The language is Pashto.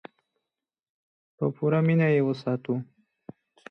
په پوره مینه یې وساتو.